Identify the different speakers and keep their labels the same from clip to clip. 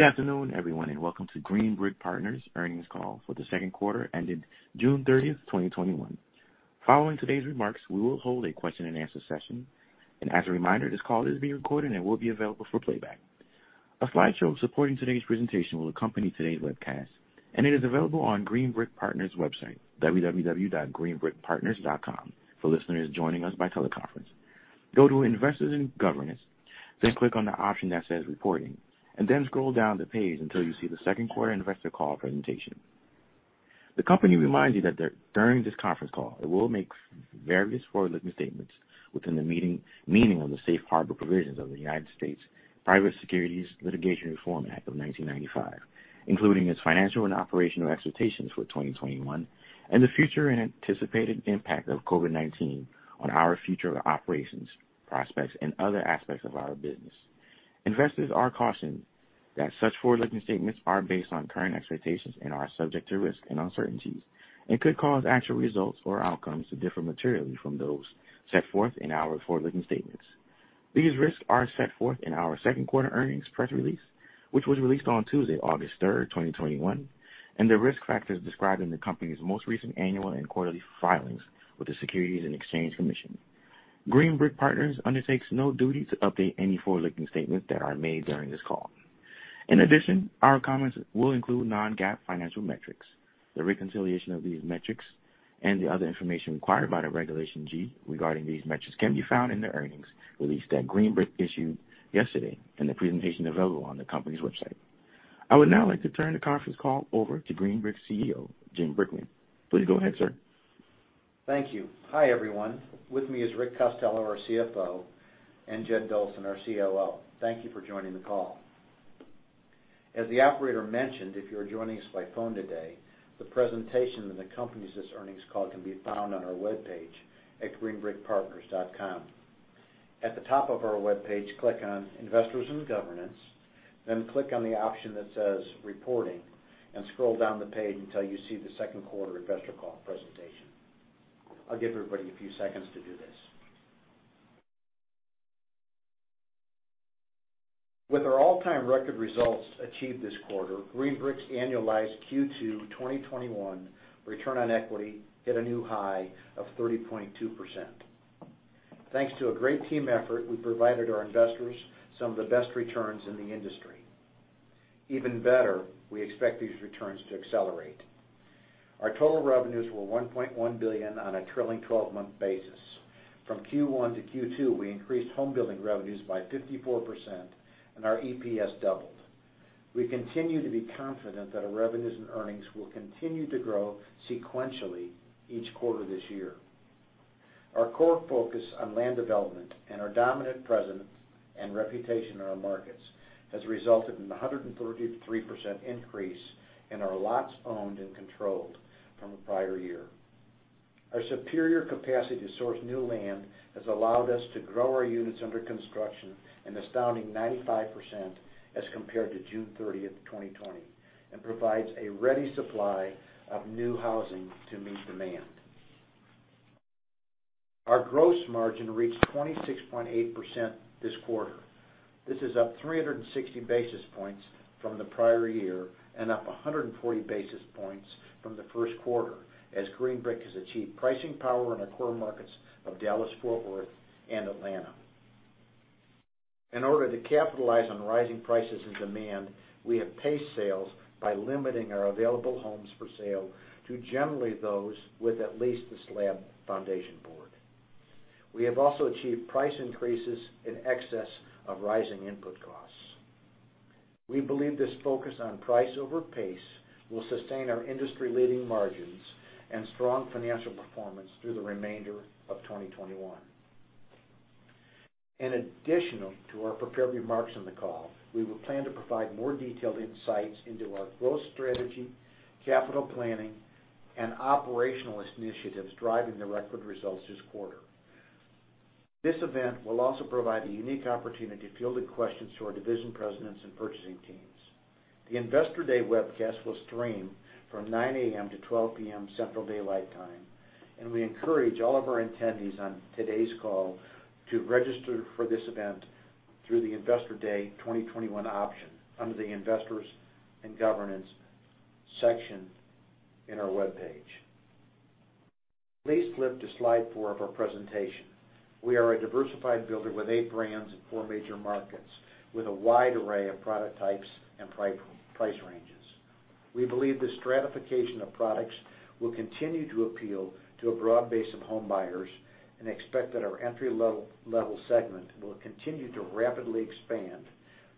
Speaker 1: Good afternoon, everyone, and welcome to Green Brick Partners earnings call for the Q2 ended June 30th, 2021. Following today's remarks, we will hold a question-and-answer session. As a reminder, this call is being recorded and will be available for playback. A slideshow supporting today's presentation will accompany today's webcast, it is available on Green Brick Partners' website, www.greenbrickpartners.com. For listeners joining us by teleconference, go to Investors and Governance, then click on the option that says Reporting, then scroll down the page until you see the Q2 investor call presentation. The company reminds you that during this conference call, it will make various forward-looking statements within the meaning of the Safe Harbor Provisions of the U.S. Private Securities Litigation Reform Act of 1995, including its financial and operational expectations for 2021 and the future and anticipated impact of COVID-19 on our future operations, prospects, and other aspects of our business. Investors are cautioned that such forward-looking statements are based on current expectations and are subject to risks and uncertainties and could cause actual results or outcomes to differ materially from those set forth in our forward-looking statements. These risks are set forth in our Q2 earnings press release, which was released on Tuesday, August 3rd, 2021, and the risk factors described in the company's most recent annual and quarterly filings with the Securities and Exchange Commission. Green Brick Partners undertakes no duty to update any forward-looking statements that are made during this call. In addition, our comments will include non-GAAP financial metrics. The reconciliation of these metrics and the other information required by the Regulation G regarding these metrics can be found in the earnings release that Green Brick issued yesterday and the presentation available on the company's website. I would now like to turn the conference call over to Green Brick's CEO, James Brickman. Please go ahead, sir.
Speaker 2: Thank you. Hi, everyone. With me is Richard Costello, our CFO, and Jed Dolson, our COO. Thank you for joining the call. As the operator mentioned, if you're joining us by phone today, the presentation that accompanies this earnings call can be found on our webpage at greenbrickpartners.com. At the top of our webpage, click on Investors & Governance, then click on the option that says Reporting, scroll down the page until you see the Q2 investor call presentation. I'll give everybody a few seconds to do this. With our all-time record results achieved this quarter, Green Brick's annualized Q2 2021 return on equity hit a new high of 30.2%. Thanks to a great team effort, we provided our investors some of the best returns in the industry. Even better, we expect these returns to accelerate. Our total revenues were $1.1 billion on a trailing 12-month basis. From Q1 to Q2, we increased homebuilding revenues by 54%, and our EPS doubled. We continue to be confident that our revenues and earnings will continue to grow sequentially each quarter this year. Our core focus on land development and our dominant presence and reputation in our markets has resulted in 133% increase in our lots owned and controlled from the prior year. Our superior capacity to source new land has allowed us to grow our units under construction an astounding 95% as compared to June 30th, 2020, and provides a ready supply of new housing to meet demand. Our gross margin reached 26.8% this quarter. This is up 360 basis points from the prior year and up 140 basis points from the Q1 as Green Brick has achieved pricing power in the core markets of Dallas-Fort Worth and Atlanta. In order to capitalize on rising prices and demand, we have paced sales by limiting our available homes for sale to generally those with at least the slab foundation poured. We have also achieved price increases in excess of rising input costs. We believe this focus on price over pace will sustain our industry-leading margins and strong financial performance through the remainder of 2021. In addition to our prepared remarks on the call, we will plan to provide more detailed insights into our growth strategy, capital planning, and operational initiatives driving the record results this quarter. This event will also provide a unique opportunity to field questions to our division presidents and purchasing teams. The Investor Day webcast will stream from 9:00 A.M. to 12:00 P.M. Central Daylight Time. We encourage all of our attendees on today's call to register for this event through the Investor Day 2021 option under the Investors & Governance section in our webpage. Please flip to slide four of our presentation. We are a diversified builder with eight brands in four major markets with a wide array of product types and price ranges. We believe this stratification of products will continue to appeal to a broad base of home buyers and expect that our entry-level segment will continue to rapidly expand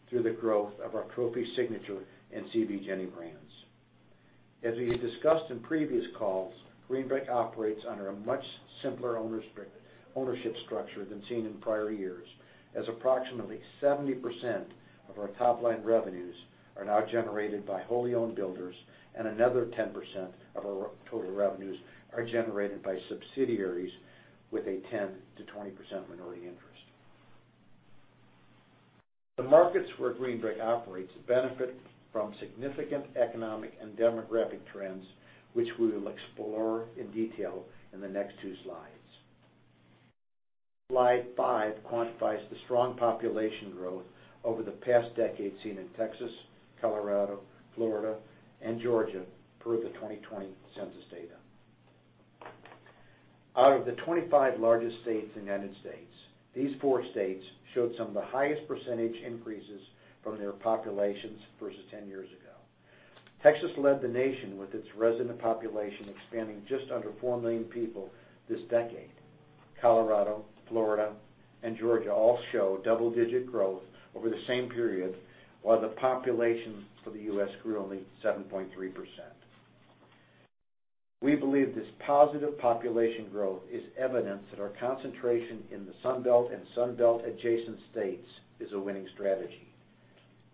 Speaker 2: through the growth of our Trophy Signature and CB JENI brands. As we discussed in previous calls, Green Brick operates under a much simpler ownership structure than seen in prior years, as approximately 70% of our top-line revenues are now generated by wholly owned builders, and another 10% of our total revenues are generated by subsidiaries with a 10%-20% minority interest. The markets where Green Brick operates benefit from significant economic and demographic trends, which we will explore in detail in the next two slides. Slide five quantifies the strong population growth over the past decade seen in Texas, Colorado, Florida, and Georgia per the 2020 census data. Out of the 25 largest states in the United States, these four states showed some of the highest percentage increases from their populations versus 10 years ago. Texas led the nation with its resident population expanding just under 4 million people this decade. Colorado, Florida, and Georgia all show double-digit growth over the same period, while the population for the U.S. grew only 7.3%. We believe this positive population growth is evidence that our concentration in the Sun Belt and Sun Belt-adjacent states is a winning strategy.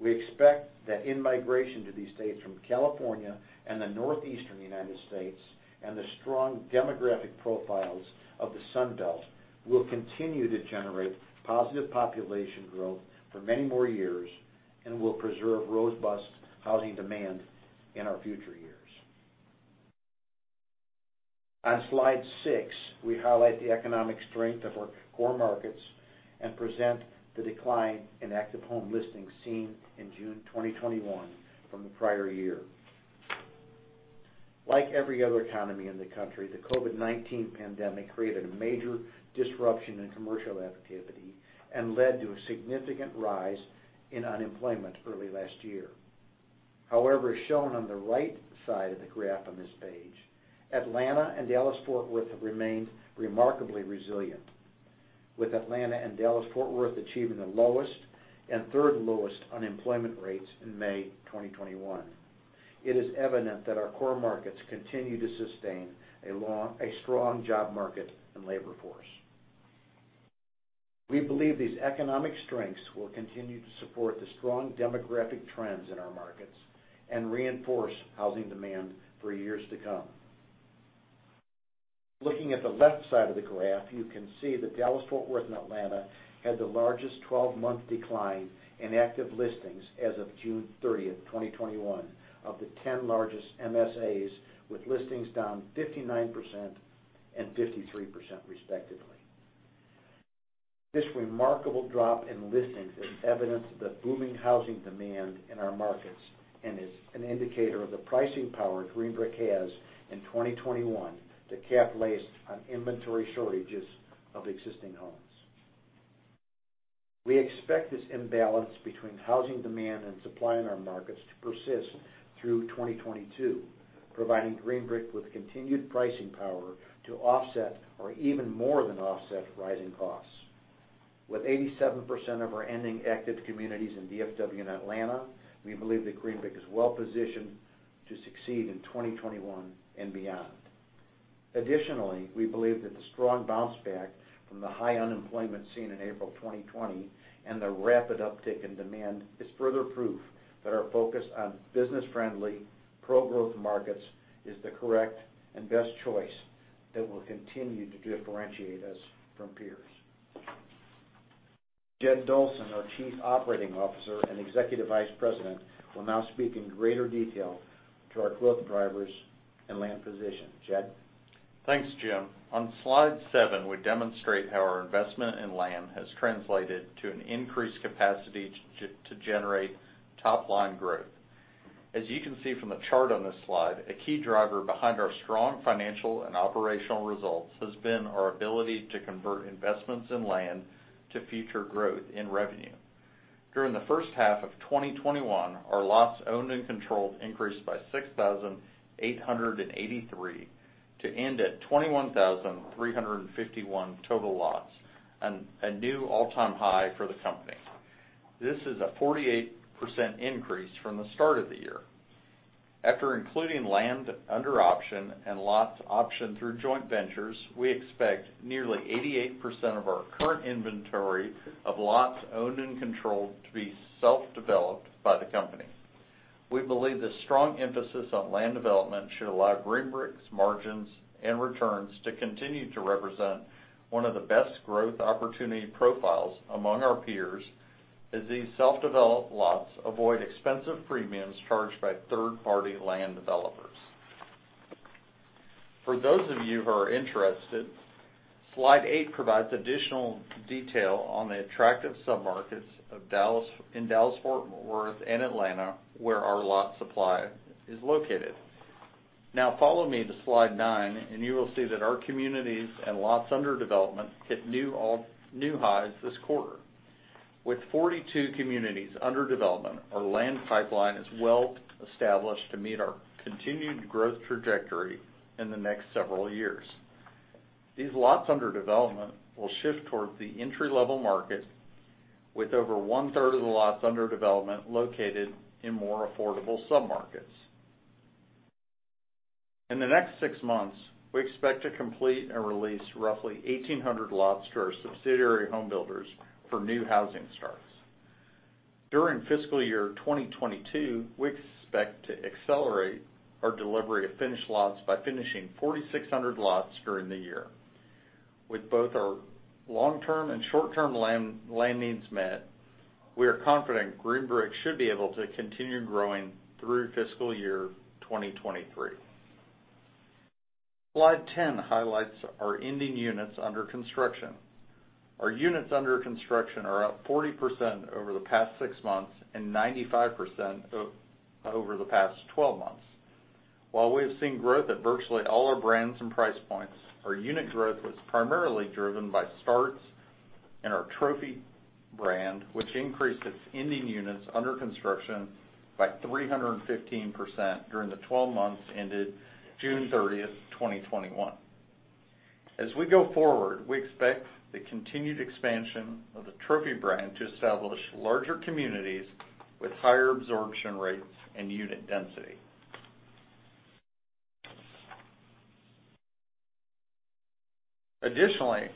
Speaker 2: We expect that in-migration to these states from California and the northeastern United States, and the strong demographic profiles of the Sun Belt will continue to generate positive population growth for many more years, and will preserve robust housing demand in our future years. On slide six, we highlight the economic strength of our core markets and present the decline in active home listings seen in June 2021 from the prior year. Like every other economy in the country, the COVID-19 pandemic created a major disruption in commercial activity and led to a significant rise in unemployment early last year. However, as shown on the right side of the graph on this page, Atlanta and Dallas-Fort Worth have remained remarkably resilient. With Atlanta and Dallas-Fort Worth achieving the lowest and third lowest unemployment rates in May 2021, it is evident that our core markets continue to sustain a strong job market and labor force. We believe these economic strengths will continue to support the strong demographic trends in our markets and reinforce housing demand for years to come. Looking at the left side of the graph, you can see that Dallas-Fort Worth and Atlanta had the largest 12-month decline in active listings as of June 30th, 2021 of the 10 largest MSAs, with listings down 59% and 53%, respectively. This remarkable drop in listings is evidence of the booming housing demand in our markets and is an indicator of the pricing power Green Brick has in 2021 to capitalize on inventory shortages of existing homes. We expect this imbalance between housing demand and supply in our markets to persist through 2022, providing Green Brick with continued pricing power to offset or even more than offset rising costs. With 87% of our ending active communities in DFW and Atlanta, we believe that Green Brick is well-positioned to succeed in 2021 and beyond. Additionally, we believe that the strong bounce back from the high unemployment seen in April 2020 and the rapid uptick in demand is further proof that our focus on business-friendly, pro-growth markets is the correct and best choice that will continue to differentiate us from peers. Jed Dolson, our Chief Operating Officer and Executive Vice President, will now speak in greater detail to our growth drivers and land position. Jed?
Speaker 3: Thanks, James. On slide seven, we demonstrate how our investment in land has translated to an increased capacity to generate top-line growth. As you can see from the chart on this slide, a key driver behind our strong financial and operational results has been our ability to convert investments in land to future growth in revenue. During the first half of 2021, our lots owned and controlled increased by 6,883 to end at 21,351 total lots, a new all-time high for the company. This is a 48% increase from the start of the year. After including land under option and lots optioned through joint ventures, we expect nearly 88% of our current inventory of lots owned and controlled to be self-developed by the company. We believe this strong emphasis on land development should allow Green Brick's margins and returns to continue to represent one of the best growth opportunity profiles among our peers, as these self-developed lots avoid expensive premiums charged by third-party land developers. For those of you who are interested, slide eight provides additional detail on the attractive submarkets in Dallas-Fort Worth and Atlanta, where our lot supply is located. Follow me to slide nine and you will see that our communities and lots under development hit new highs this quarter. With 42 communities under development, our land pipeline is well established to meet our continued growth trajectory in the next several years. These lots under development will shift towards the entry-level market, with over one-third of the lots under development located in more affordable submarkets. In the next six months, we expect to complete and release roughly 1,800 lots to our subsidiary home builders for new housing starts. During fiscal year 2022, we expect to accelerate our delivery of finished lots by finishing 4,600 lots during the year. With both our long-term and short-term land needs met, we are confident Green Brick should be able to continue growing through fiscal year 2023. Slide 10 highlights our ending units under construction. Our units under construction are up 40% over the past six months and 95% over the past 12 months. While we have seen growth at virtually all our brands and price points, our unit growth was primarily driven by starts in our Trophy brand, which increased its ending units under construction by 315% during the 12 months ended June 30th, 2021. As we go forward, we expect the continued expansion of the Trophy brand to establish larger communities with higher absorption rates and unit density. Additionally,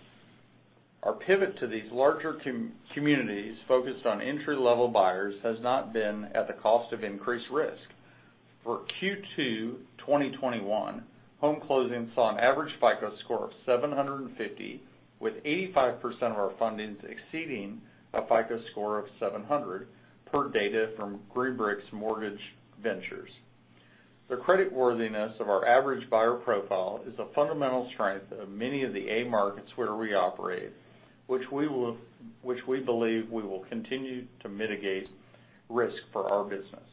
Speaker 3: our pivot to these larger communities focused on entry-level buyers has not been at the cost of increased risk. For Q2 2021, home closings saw an average FICO score of 750 with 85% of our fundings exceeding a FICO score of 700 per data from Green Brick Mortgage. The creditworthiness of our average buyer profile is a fundamental strength of many of the A markets where we operate, which we believe we will continue to mitigate risk for our business.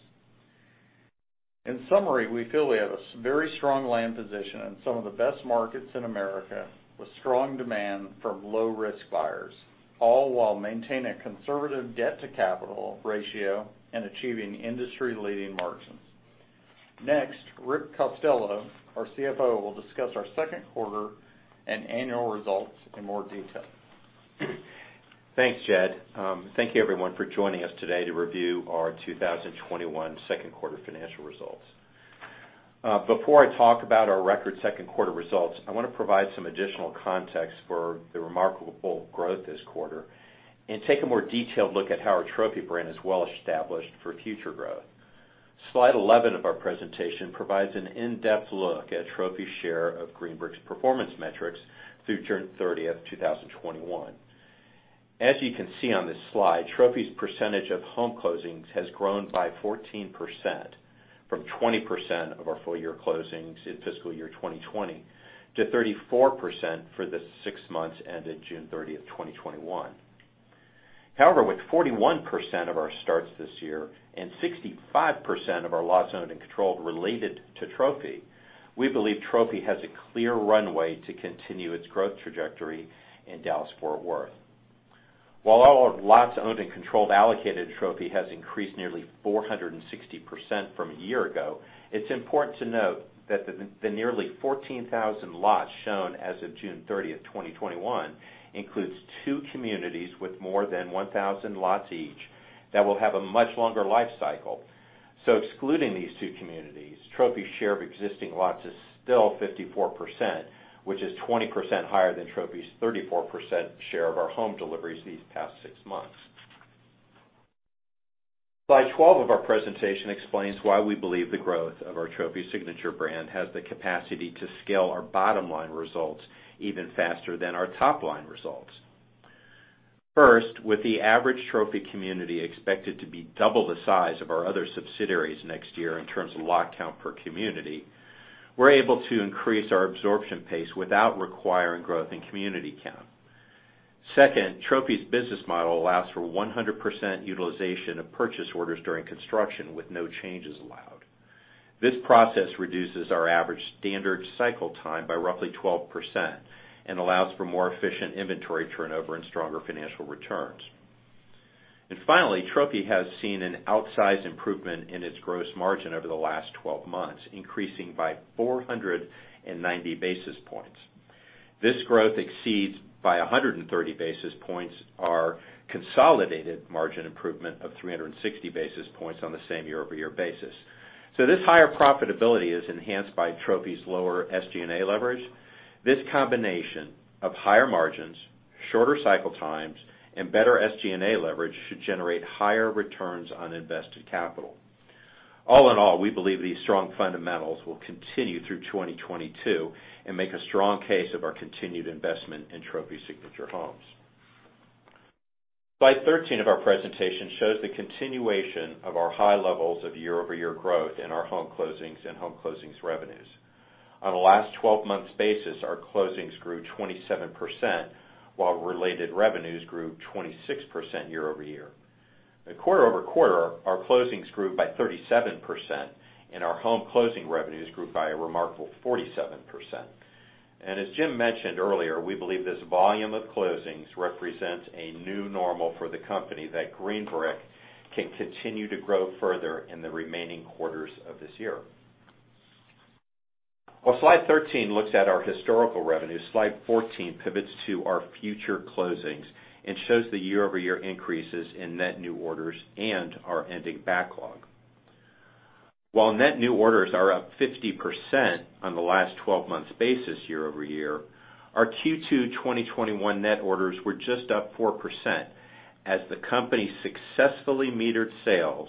Speaker 3: In summary, we feel we have a very strong land position in some of the best markets in America, with strong demand from low-risk buyers, all while maintaining a conservative debt-to-capital ratio and achieving industry-leading margins. Next, Rick Costello, our CFO, will discuss our Q2 and annual results in more detail.
Speaker 4: Thanks, Jed. Thank you everyone for joining us today to review our 2021 Q2 financial results. Before I talk about our record Q2 results, I want to provide some additional context for the remarkable growth this quarter and take a more detailed look at how our Trophy brand is well-established for future growth. Slide 11 of our presentation provides an in-depth look at Trophy's share of Green Brick Partners' performance metrics through June 30th, 2021. As you can see on this slide, Trophy's percentage of home closings has grown by 14%, from 20% of our full-year closings in fiscal year 2020 to 34% for the six months ended June 30th, 2021. However, with 41% of our starts this year and 65% of our lots owned and controlled related to Trophy, we believe Trophy has a clear runway to continue its growth trajectory in Dallas-Fort Worth. While all our lots owned and controlled allocated to Trophy has increased nearly 460% from a year ago, it's important to note that the nearly 14,000 lots shown as of June 30th, 2021, includes two communities with more than 1,000 lots each that will have a much longer life cycle. Excluding these two communities, Trophy's share of existing lots is still 54%, which is 20% higher than Trophy's 34% share of our home deliveries these past six months. Slide 12 of our presentation explains why we believe the growth of our Trophy Signature brand has the capacity to scale our bottom-line results even faster than our top-line results. First, with the average Trophy community expected to be 2x the size of our other subsidiaries next year in terms of lot count per community, we're able to increase our absorption pace without requiring growth in community count. Second, Trophy's business model allows for 100% utilization of purchase orders during construction with no changes allowed. This process reduces our average standard cycle time by roughly 12% and allows for more efficient inventory turnover and stronger financial returns. Finally, Trophy has seen an outsized improvement in its gross margin over the last 12 months, increasing by 490 basis points. This growth exceeds by 130 basis points our consolidated margin improvement of 360 basis points on the same year-over-year basis. This higher profitability is enhanced by Trophy's lower SG&A leverage. This combination of higher margins, shorter cycle times, and better SG&A leverage should generate higher returns on invested capital. All in all, we believe these strong fundamentals will continue through 2022 and make a strong case of our continued investment in Trophy Signature Homes. Slide 13 of our presentation shows the continuation of our high levels of year-over-year growth in our home closings and home closings revenues. On a last 12 months basis, our closings grew 27%, while related revenues grew 26% year-over-year. Quarter-over-quarter, our closings grew by 37%, and our home closing revenues grew by a remarkable 47%. As James mentioned earlier, we believe this volume of closings represents a new normal for the company that Green Brick can continue to grow further in the remaining quarters of this year. While Slide 13 looks at our historical revenue, Slide 14 pivots to our future closings and shows the year-over-year increases in net new orders and our ending backlog. While net new orders are up 50% on the last 12 months basis year-over-year, our Q2 2021 net orders were just up 4% as the company successfully metered sales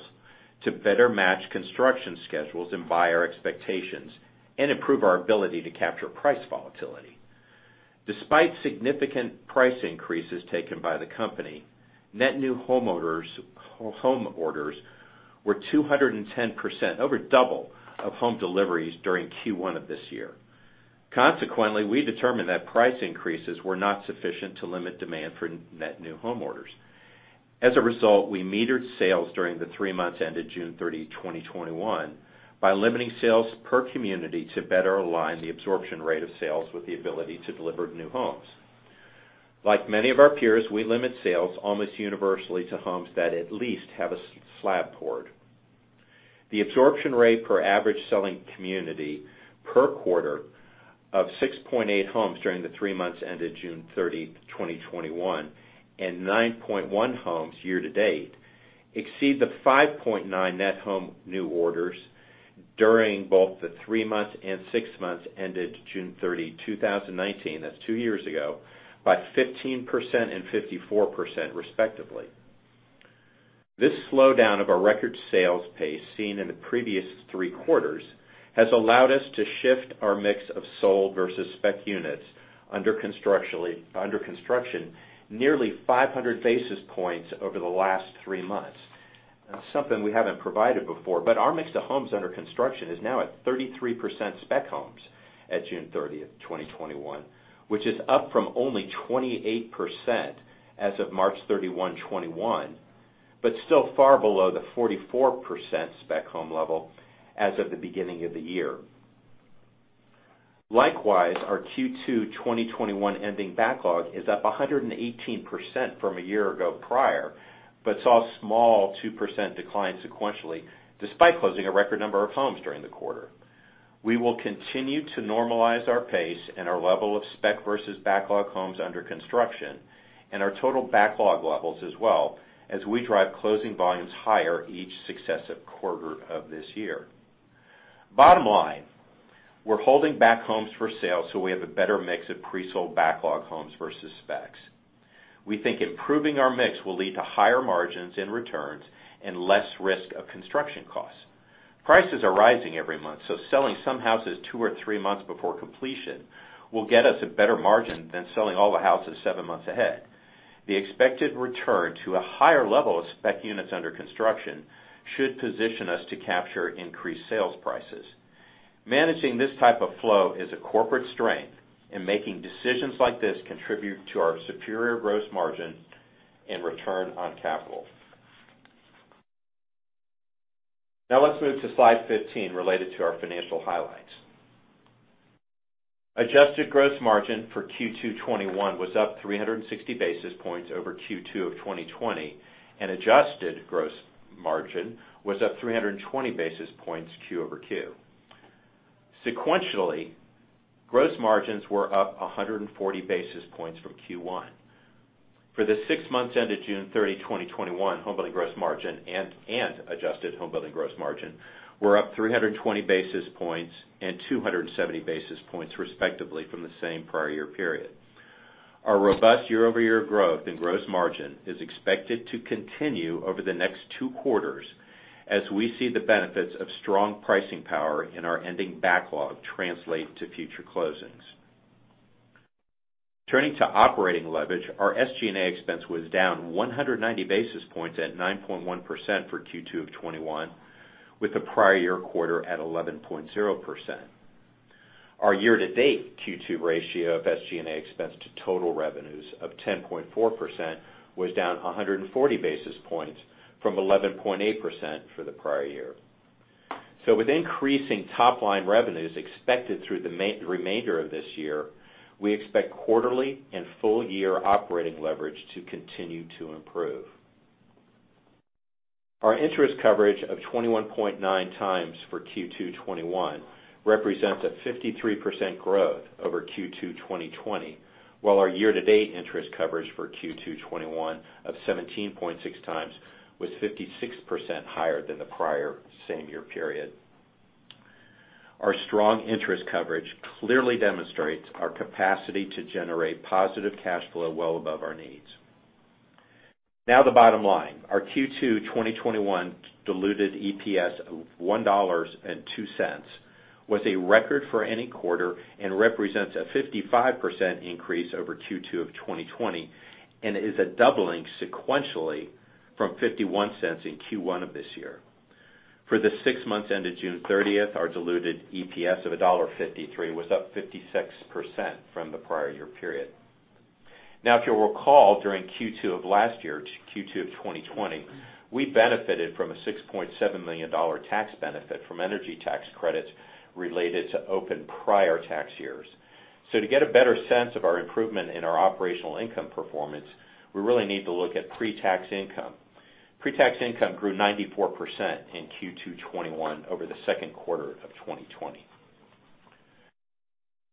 Speaker 4: to better match construction schedules and buyer expectations and improve our ability to capture price volatility. Despite significant price increases taken by the company, net new home orders were 210%, over double of home deliveries during Q1 of this year. Consequently, we determined that price increases were not sufficient to limit demand for net new home orders. As a result, we metered sales during the three months ended June 30, 2021, by limiting sales per community to better align the absorption rate of sales with the ability to deliver new homes. Like many of our peers, we limit sales almost universally to homes that at least have a slab poured. The absorption rate per average selling community per quarter of 6.8 homes during the three months ended June 30, 2021, and 9.1 homes year-to-date exceed the 5.9 net home new orders during both the three months and six months ended June 30, 2019, that's two years ago, by 15% and 54%, respectively. This slowdown of a record sales pace seen in the previous three quarters has allowed us to shift our mix of sold versus spec units under construction nearly 500 basis points over the last three months. That's something we haven't provided before, but our mix of homes under construction is now at 33% spec homes at June 30th, 2021, which is up from only 28% as of March 31, 2021, but still far below the 44% spec home level as of the beginning of the year. Likewise, our Q2 2021 ending backlog is up 118% from a year ago prior, but saw a small 2% decline sequentially, despite closing a record number of homes during the quarter. We will continue to normalize our pace and our level of spec versus backlog homes under construction and our total backlog levels as well as we drive closing volumes higher each successive quarter of this year. Bottom line, we're holding back homes for sale so we have a better mix of pre-sold backlog homes versus specs. We think improving our mix will lead to higher margins and returns and less risk of construction costs. Prices are rising every month, so selling some houses two or three months before completion will get us a better margin than selling all the houses seven months ahead. The expected return to a higher level of spec units under construction should position us to capture increased sales prices. Managing this type of flow is a corporate strength, and making decisions like this contribute to our superior gross margin and return on capital. Now let's move to slide 15 related to our financial highlights. Adjusted gross margin for Q2 2021 was up 360 basis points over Q2 2020, and adjusted gross margin was up 320 basis points Q over Q. Sequentially, gross margins were up 140 basis points from Q1. For the six months ended June 30th, 2021, homebuilding gross margin and adjusted homebuilding gross margin were up 320 basis points and 270 basis points respectively from the same prior year period. Our robust year-over-year growth in gross margin is expected to continue over the next two quarters as we see the benefits of strong pricing power in our ending backlog translate to future closings. Turning to operating leverage, our SG&A expense was down 190 basis points at 9.1% for Q2 2021, with the prior year quarter at 11.0%. Our year-to-date Q2 ratio of SG&A expense to total revenues of 10.4% was down 140 basis points from 11.8% for the prior year. With increasing top-line revenues expected through the remainder of this year, we expect quarterly and full-year operating leverage to continue to improve. Our interest coverage of 21.9x for Q2 2021 represents a 53% growth over Q2 2020, while our year-to-date interest coverage for Q2 2021 of 17.6x was 56% higher than the prior same year period. Our strong interest coverage clearly demonstrates our capacity to generate positive cash flow well above our needs. The bottom line. Our Q2 2021 diluted EPS of $1.02 was a record for any quarter and represents a 55% increase over Q2 2020, and is a doubling sequentially from $0.51 in Q1 of this year. For the six months ended June 30th, our diluted EPS of $1.53 was up 56% from the prior year period. If you'll recall, during Q2 of last year, Q2 2020, we benefited from a $6.7 million tax benefit from energy tax credits related to open prior tax years. To get a better sense of our improvement in our operational income performance, we really need to look at pre-tax income. Pre-tax income grew 94% in Q2 2021 over the Q2 2020.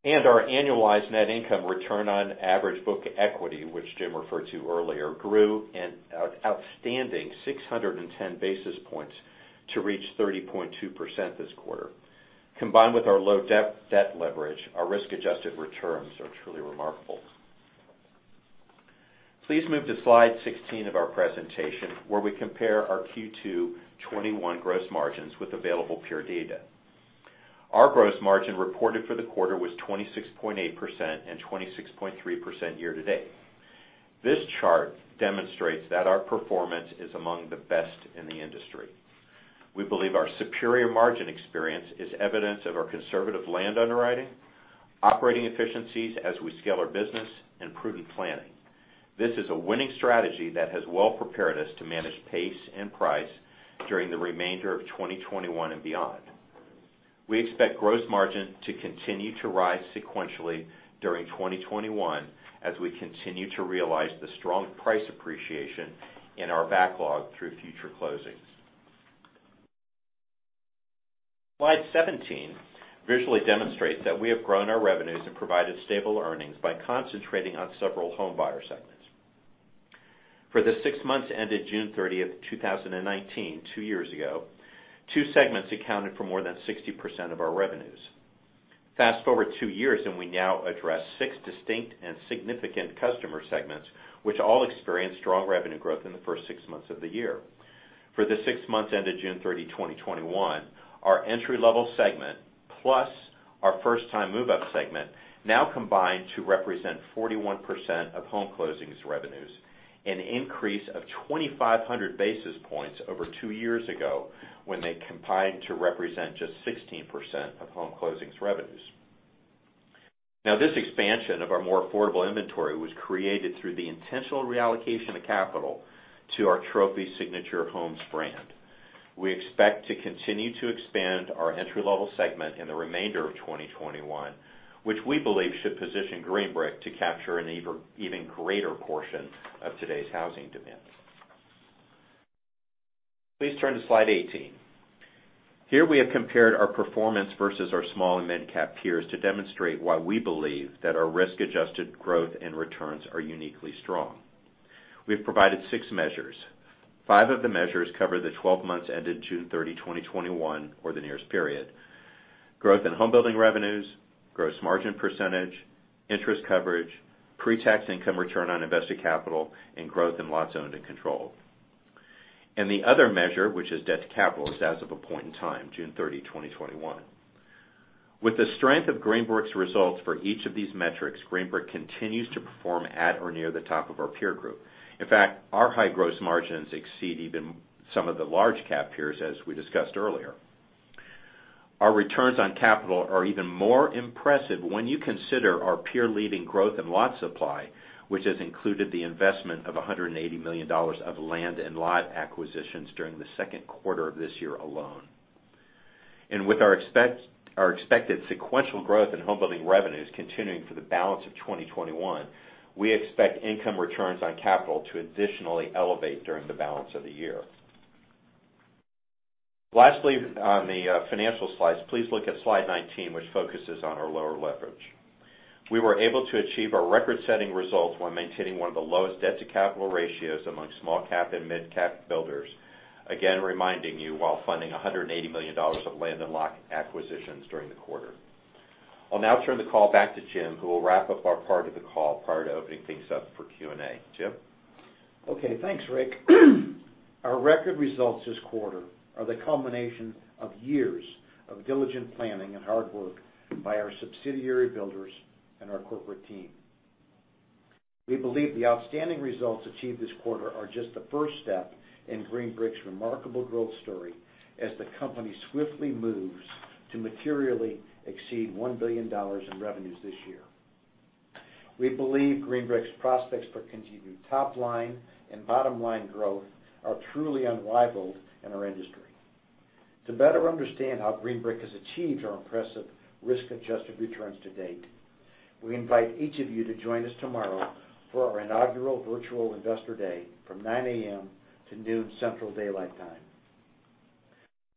Speaker 4: Our annualized net income return on average book equity, which James referred to earlier, grew an outstanding 610 basis points to reach 30.2% this quarter. Combined with our low debt leverage, our risk-adjusted returns are truly remarkable. Please move to slide 16 of our presentation, where we compare our Q2 2021 gross margins with available peer data. Our gross margin reported for the quarter was 26.8% and 26.3% year to date. This chart demonstrates that our performance is among the best in the industry. We believe our superior margin experience is evidence of our conservative land underwriting, operating efficiencies as we scale our business, and prudent planning. This is a winning strategy that has well-prepared us to manage pace and price during the remainder of 2021 and beyond. We expect gross margin to continue to rise sequentially during 2021 as we continue to realize the strong price appreciation in our backlog through future closings. Slide 17 visually demonstrates that we have grown our revenues and provided stable earnings by concentrating on several home buyer segments. For the six months ended June 30th, 2019, two years ago, two segments accounted for more than 60% of our revenues. Fast-forward two years, and we now address six distinct and significant customer segments, which all experienced strong revenue growth in the first six months of the year. For the six months ended June 30th, 2021, our entry-level segment, plus our first-time move-up segment, now combine to represent 41% of home closings revenues, an increase of 2,500 basis points over two years ago when they combined to represent just 16% of home closings revenues. Now, this expansion of our more affordable inventory was created through the intentional reallocation of capital to our Trophy Signature Homes brand. We expect to continue to expand our entry-level segment in the remainder of 2021, which we believe should position Green Brick to capture an even greater portion of today's housing demand. Please turn to slide 18. Here we have compared our performance versus our small and mid-cap peers to demonstrate why we believe that our risk-adjusted growth and returns are uniquely strong. We've provided six measures. five of the measures cover the 12 months ended June 30th, 2021, or the nearest period. Growth in home building revenues, gross margin percentage, interest coverage, pre-tax income return on invested capital, and growth in lots owned and controlled. The other measure, which is debt to capital, is as of a point in time, June 30th, 2021. With the strength of Green Brick's results for each of these metrics, Green Brick continues to perform at or near the top of our peer group. Our high gross margins exceed even some of the large cap peers, as we discussed earlier. Our returns on capital are even more impressive when you consider our peer-leading growth in lot supply, which has included the investment of $180 million of land and lot acquisitions during the Q2 of this year alone. With our expected sequential growth in home building revenues continuing for the balance of 2021, we expect income returns on capital to additionally elevate during the balance of the year. Lastly on the financial slides, please look at slide 19, which focuses on our lower leverage. We were able to achieve our record-setting results while maintaining one of the lowest debt-to-capital ratios among small cap and mid cap builders. Again, reminding you while funding $180 million of land and lot acquisitions during the quarter. I'll now turn the call back to James, who will wrap up our part of the call prior to opening things up for Q&A. James?
Speaker 2: Okay. Thanks, Richard. Our record results this quarter are the culmination of years of diligent planning and hard work by our subsidiary builders and our corporate team. We believe the outstanding results achieved this quarter are just the first step in Green Brick's remarkable growth story, as the company swiftly moves to materially exceed $1 billion in revenues this year. We believe Green Brick's prospects for continued top-line and bottom-line growth are truly unrivaled in our industry. To better understand how Green Brick has achieved our impressive risk-adjusted returns to date, we invite each of you to join us tomorrow for our inaugural virtual Investor Day from 9:00 A.M. to 12:00 P.M. Central Daylight Time.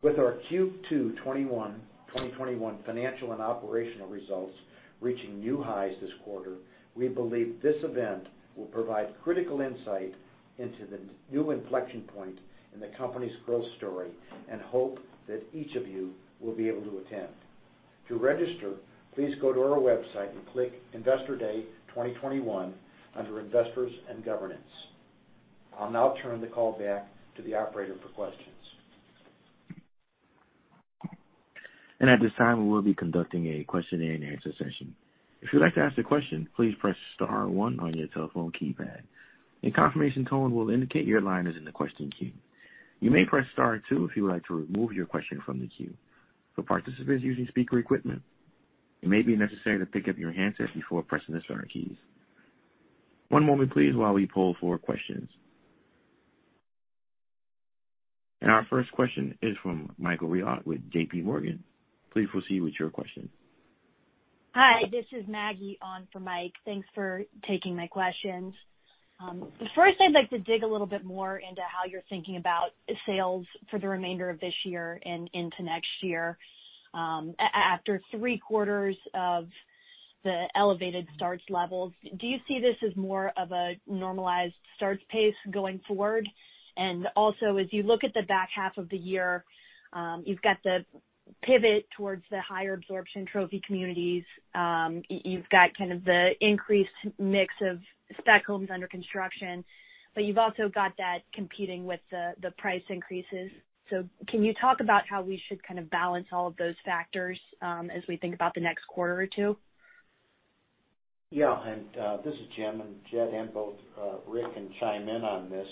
Speaker 2: With our Q2 '21, 2021 financial and operational results reaching new highs this quarter, we believe this event will provide critical insight into the new inflection point in the company's growth story and hope that each of you will be able to attend. To register, please go to our website and click Investor Day 2021 under Investors and Governance. I'll now turn the call back to the operator for questions.
Speaker 1: At this time, we will be conducting a question-and-answer session. If you'd like to ask a question, please press star one on your telephone keypad. A confirmation tone will indicate your line is in the question queue. You may press star two if you would like to remove your question from the queue. For participants using speaker equipment, it may be necessary to pick up your handset before pressing the star keys. One moment, please, while we poll for questions. Our first question is from Michael Rehaut with JPMorgan. Please proceed with your question.
Speaker 5: Hi, this is Maggie on for Michael. Thanks for taking my questions. First, I'd like to dig a little bit more into how you're thinking about sales for the remainder of this year and into next year. After 3 quarters of the elevated starts levels, do you see this as more of a normalized starts pace going forward? As you look at the back half of the year, you've got the Pivot towards the higher absorption Trophy communities. You've got kind of the increased mix of spec homes under construction, but you've also got that competing with the price increases. Can you talk about how we should kind of balance all of those factors as we think about the next quarter or two?
Speaker 2: Yeah. This is James, and Jed and both Richard can chime in on this.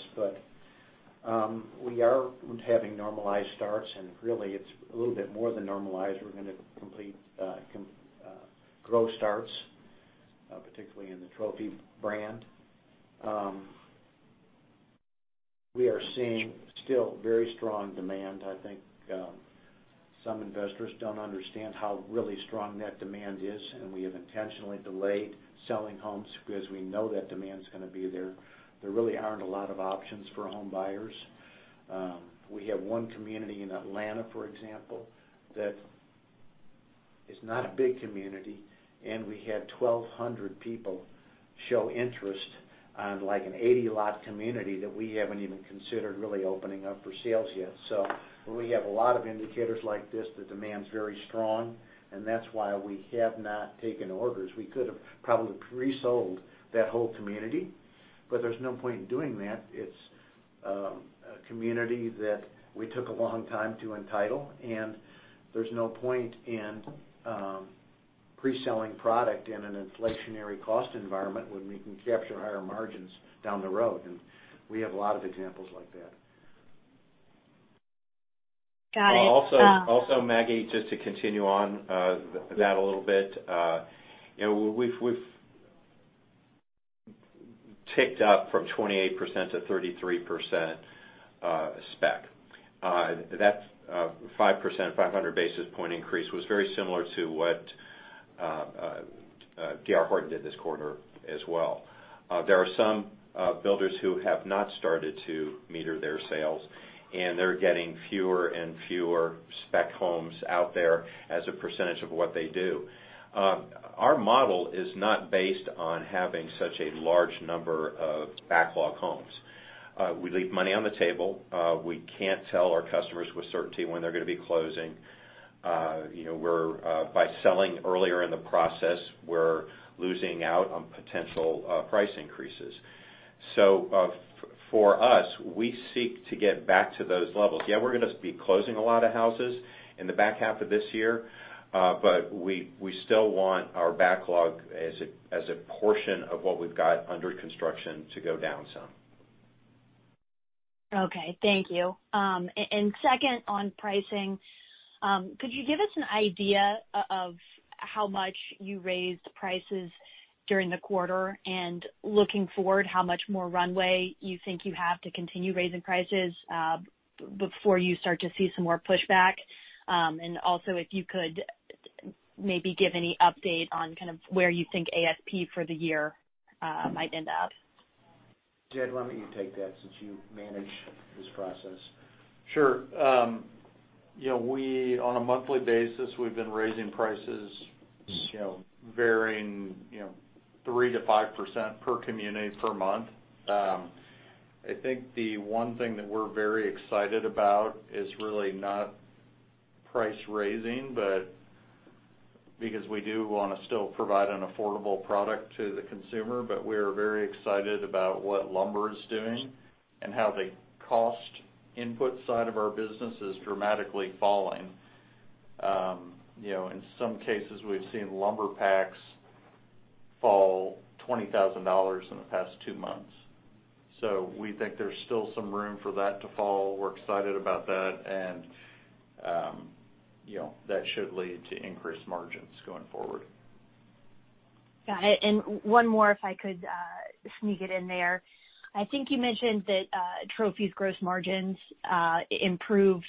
Speaker 2: We are having normalized starts and really it's a little bit more than normalized. We're going to complete growth starts, particularly in the Trophy brand. We are seeing still very strong demand. I think some investors don't understand how really strong that demand is. We have intentionally delayed selling homes because we know that demand's going to be there. There really aren't a lot of options for home buyers. We have one community in Atlanta, for example, that is not a big community. We had 1,200 people show interest on like an 80-lot community that we haven't even considered really opening up for sales yet. When we have a lot of indicators like this, the demand's very strong. That's why we have not taken orders. We could have probably pre-sold that whole community, but there's no point in doing that. It's a community that we took a long time to entitle, and there's no point in pre-selling product in an inflationary cost environment when we can capture higher margins down the road, and we have a lot of examples like that.
Speaker 5: Got it.
Speaker 4: Maggie, just to continue on that a little bit. We've ticked up from 28%-33% spec. That 5%, 500 basis point increase was very similar to what D.R. Horton did this quarter as well. There are some builders who have not started to meter their sales, and they're getting fewer and fewer spec homes out there as a percentage of what they do. Our model is not based on having such a large number of backlog homes. We leave money on the table. We can't tell our customers with certainty when they're going to be closing. By selling earlier in the process, we're losing out on potential price increases. For us, we seek to get back to those levels. We're going to be closing a lot of houses in the back half of this year, but we still want our backlog as a portion of what we've got under construction to go down some.
Speaker 5: Okay. Thank you. Second on pricing, could you give us an idea of how much you raised prices during the quarter and looking forward, how much more runway you think you have to continue raising prices, before you start to see some more pushback? Also if you could maybe give any update on kind of where you think ASP for the year might end up.
Speaker 2: Jed, why don't you take that since you manage this process?
Speaker 3: Sure. On a monthly basis, we've been raising prices varying 3%-5% per community per month. I think the one thing that we're very excited about is really not price raising, but because we do want to still provide an affordable product to the consumer, but we are very excited about what lumber is doing and how the cost input side of our business is dramatically falling. In some cases we've seen lumber packs fall $20,000 in the past two months. We think there's still some room for that to fall. We're excited about that and that should lead to increased margins going forward.
Speaker 5: Got it. One more if I could, sneak it in there. I think you mentioned that Trophy's gross margins improved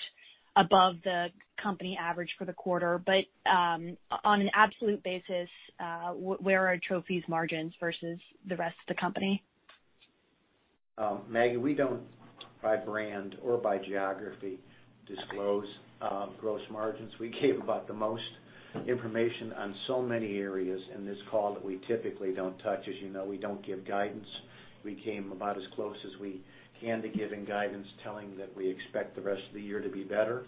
Speaker 5: above the company average for the quarter, but, on an absolute basis, where are Trophy's margins versus the rest of the company?
Speaker 2: Maggie, we don't, by brand or by geography, disclose gross margins. We gave about the most information on so many areas in this call that we typically don't touch. As you know, we don't give guidance. We came about as close as we can to giving guidance, telling that we expect the rest of the year to be better.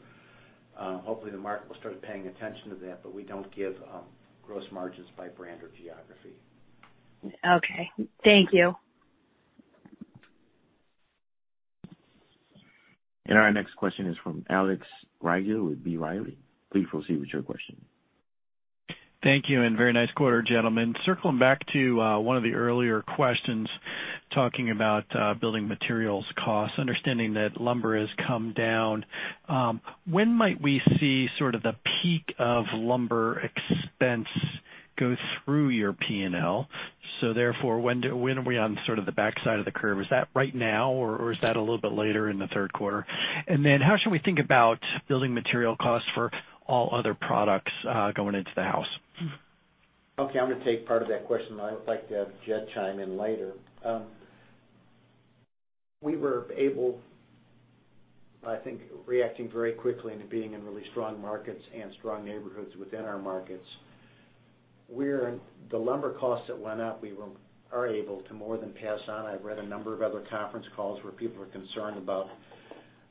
Speaker 2: Hopefully, the market will start paying attention to that, but we don't give gross margins by brand or geography.
Speaker 5: Okay. Thank you.
Speaker 1: Our next question is from Alex Rygiel with B. Riley Securities. Please proceed with your question.
Speaker 6: Thank you. Very nice quarter, gentlemen. Circling back to one of the earlier questions talking about building materials costs, understanding that lumber has come down, when might we see sort of the peak of lumber expense go through your P&L? Therefore, when are we on sort of the backside of the curve? Is that right now or is that a little bit later in the Q3? How should we think about building material costs for all other products going into the house?
Speaker 2: Okay. I'm going to take part of that question. I would like to have Jed chime in later. We were able, I think, reacting very quickly and being in really strong markets and strong neighborhoods within our markets. The lumber costs that went up, we are able to more than pass on. I've read a number of other conference calls where people are concerned about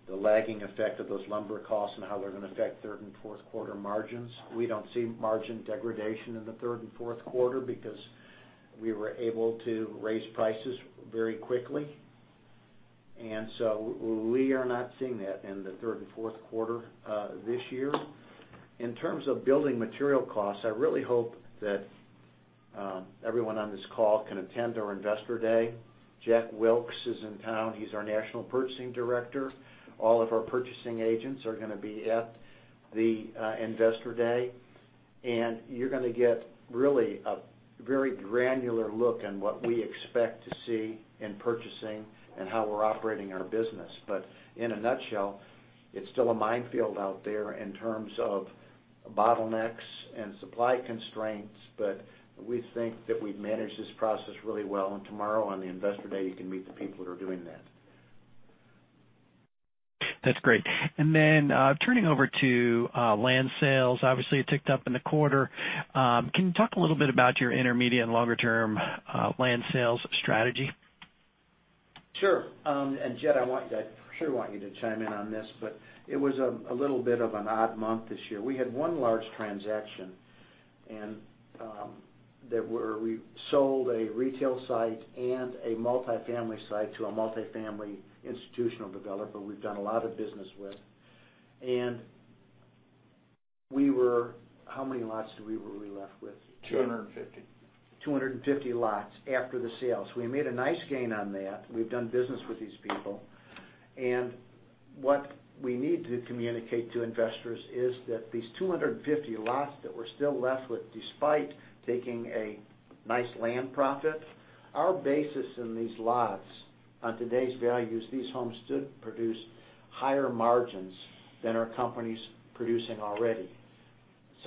Speaker 2: the lagging effect of those lumber costs and how they're going to affect third and Q4 margins. We don't see margin degradation in the third and Q4 because we were able to raise prices very quickly. So we are not seeing that in the third and Q4 this year. In terms of building material costs, I really hope that everyone on this call can attend our Investor Day. Jack Wilkins is in town. He's our National Purchasing Director. All of our purchasing agents are going to be at the Investor Day, and you're going to get really a very granular look in what we expect to see in purchasing and how we're operating our business. In a nutshell, it's still a minefield out there in terms of bottlenecks and supply constraints, but we think that we've managed this process really well. Tomorrow on the Investor Day, you can meet the people who are doing that.
Speaker 6: That's great. Then, turning over to land sales, obviously it ticked up in the quarter. Can you talk a little bit about your intermediate and longer-term land sales strategy?
Speaker 2: Sure. Jed, I sure want you to chime in on this, but it was a little bit of an odd month this year. We had one large transaction where we sold a retail site and a multifamily site to a multifamily institutional developer we've done a lot of business with. How many lots were we left with?
Speaker 3: 250.
Speaker 2: 250 lots after the sale. We made a nice gain on that. We've done business with these people. What we need to communicate to investors is that these 250 lots that we're still left with, despite taking a nice land profit, our basis in these lots on today's values, these homes should produce higher margins than our company's producing already.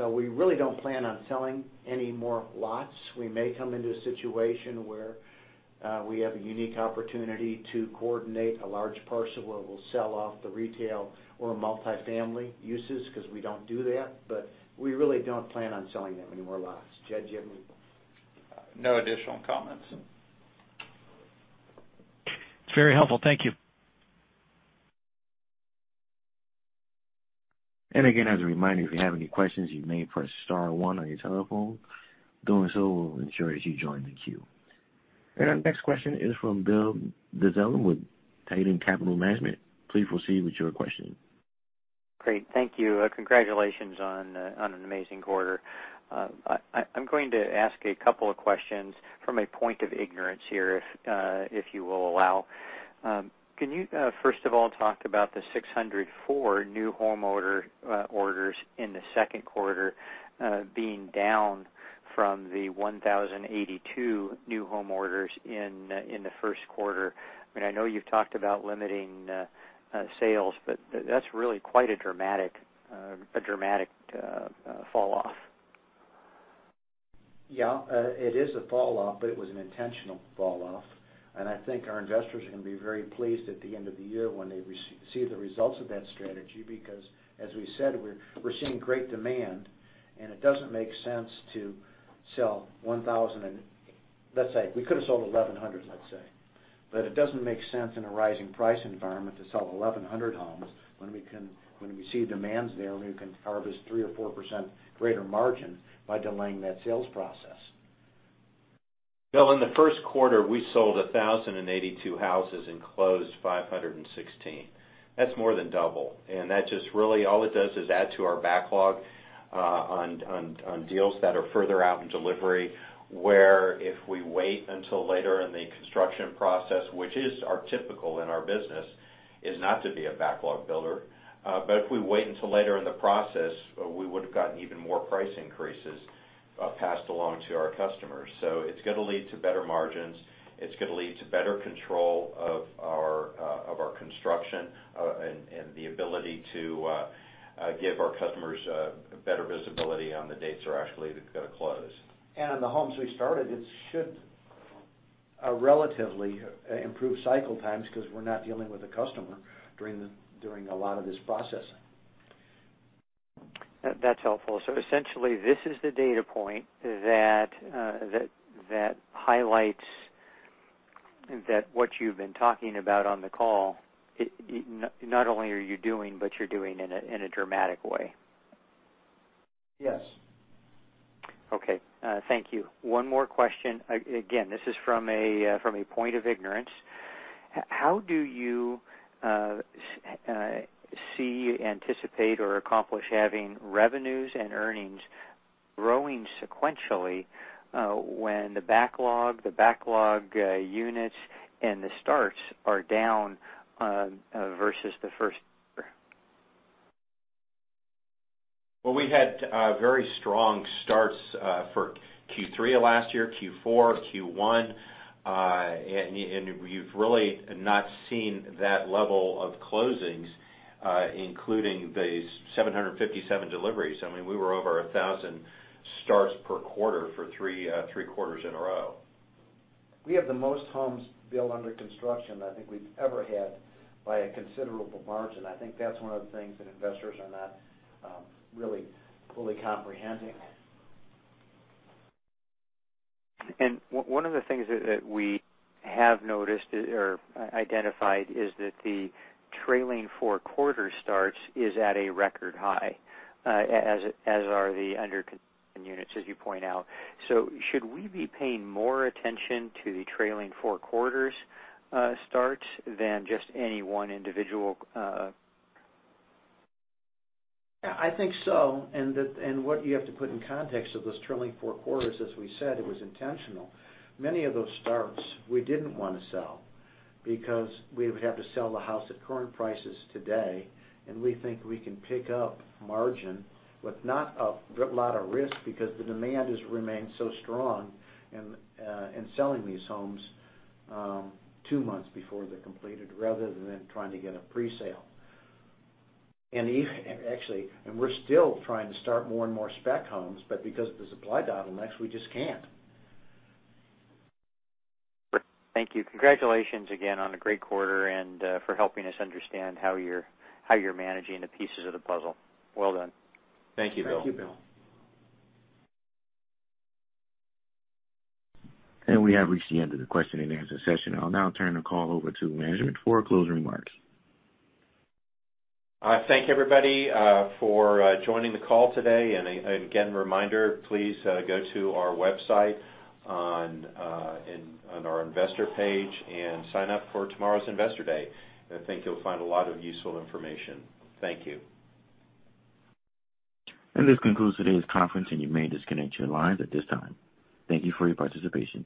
Speaker 2: We really don't plan on selling any more lots. We may come into a situation where we have a unique opportunity to coordinate a large parcel where we'll sell off the retail or multifamily uses because we don't do that, but we really don't plan on selling that many more lots. Jed, do you have anything?
Speaker 3: No additional comments.
Speaker 6: It's very helpful. Thank you.
Speaker 1: Again, as a reminder, if you have any questions, you may press star one on your telephone. Doing so will ensure that you join the queue. Our next question is from Bill Dezellem with Tieton Capital Management. Please proceed with your question.
Speaker 7: Great. Thank you. Congratulations on an amazing quarter. I'm going to ask a couple of questions from a point of ignorance here, if you will allow. Can you, first of all, talk about the 604 new home orders in the Q2 being down from the 1,082 new home orders in the Q1? I know you've talked about limiting sales, but that's really quite a dramatic fall off.
Speaker 2: Yeah. It is a fall off, but it was an intentional fall off. I think our investors are going to be very pleased at the end of the year when they see the results of that strategy because, as we said, We're seeing great demand, and it doesn't make sense to sell 1,000, let's say, we could've sold 1,100, let's say. It doesn't make sense in a rising price environment to sell 1,100 homes when we see demands there, and we can harvest 3% or 4% greater margin by delaying that sales process.
Speaker 4: Bill, in the Q1, we sold 1,082 houses and closed 516. That's more than double, all it does is add to our backlog on deals that are further out in delivery, where if we wait until later in the construction process, which is typical in our business, is not to be a backlog builder. If we wait until later in the process, we would've gotten even more price increases passed along to our customers. It's going to lead to better margins. It's going to lead to better control of our construction, and the ability to give our customers better visibility on the dates they're actually going to close.
Speaker 2: The homes we started, it should relatively improve cycle times because we're not dealing with a customer during a lot of this processing.
Speaker 7: That's helpful. Essentially, this is the data point that highlights that what you've been talking about on the call, not only are you doing, but you're doing it in a dramatic way.
Speaker 2: Yes.
Speaker 7: Okay. Thank you. One more question. Again, this is from a point of ignorance. How do you see, anticipate, or accomplish having revenues and earnings growing sequentially when the backlog, the backlog units, and the starts are down versus the Q1?
Speaker 4: Well, we had very strong starts for Q3 of last year, Q4, Q1. You've really not seen that level of closings including these 757 deliveries. We were over 1,000 starts per quarter for three quarters in a row. We have the most homes built under construction I think we've ever had by a considerable margin. I think that's one of the things that investors are not really fully comprehending.
Speaker 7: One of the things that we have noticed or identified is that the trailing Q4 starts is at a record high, as are the under construction units, as you point out. Should we be paying more attention to the trailing 4 quarters starts than just any 1 individual?
Speaker 4: Yeah, I think so, and what you have to put in context of those trailing 4 quarters, as we said, it was intentional. Many of those starts we didn't want to sell because we would have to sell the house at current prices today, and we think we can pick up margin with not a lot of risk because the demand has remained so strong in selling these homes 2 months before they're completed rather than trying to get a pre-sale. We're still trying to start more and more spec homes, but because of the supply bottlenecks, we just can't.
Speaker 7: Thank you. Congratulations again on a great quarter and for helping us understand how you're managing the pieces of the puzzle. Well done.
Speaker 2: Thank you, Bill.
Speaker 4: Thank you, Bill.
Speaker 1: We have reached the end of the question-and-answer session. I'll now turn the call over to management for closing remarks.
Speaker 2: Thank you, everybody, for joining the call today. Again, reminder, please go to our website on our investor page and sign up for tomorrow's Investor Day. I think you'll find a lot of useful information. Thank you.
Speaker 1: This concludes today's conference, and you may disconnect your lines at this time. Thank you for your participation.